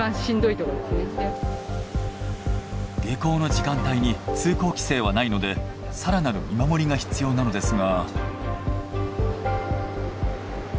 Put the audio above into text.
下校の時間帯に通行規制はないので更なる見守りが必要なのですが。